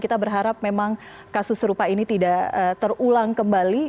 kita berharap memang kasus serupa ini tidak terulang kembali